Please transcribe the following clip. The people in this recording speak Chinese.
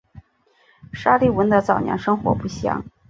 沙利文的早年生活不详。